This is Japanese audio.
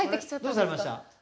どうされました？